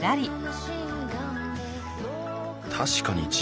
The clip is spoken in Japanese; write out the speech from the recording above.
確かに。